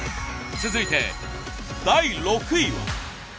続いて第６位は。